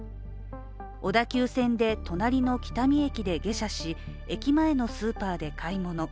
小田急線で隣の喜多見駅で下車し、駅前のスーパーで買い物。